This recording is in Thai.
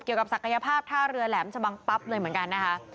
ศักยภาพท่าเรือแหลมชะบังปั๊บเลยเหมือนกันนะคะ